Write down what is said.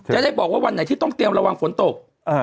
จะได้บอกว่าวันไหนที่ต้องเตรียมระวังฝนตก